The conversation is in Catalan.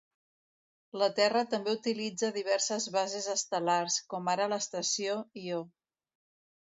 La Terra també utilitza diverses bases estel·lars, com ara l'estació Io.